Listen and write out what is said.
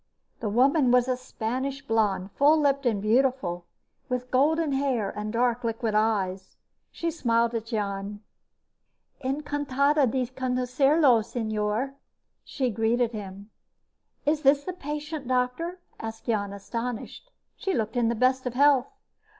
The woman was a Spanish blonde, full lipped and beautiful, with golden hair and dark, liquid eyes. She smiled at Jan. "Encantada de conocerlo, señor," she greeted him. "Is this the patient, Doctor?" asked Jan, astonished. She looked in the best of health.